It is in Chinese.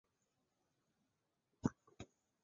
四手井纲正为日本陆军军人。